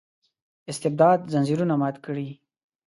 استبداد ځنځیرونه مات کړي.